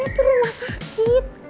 ji ini tuh rumah sakit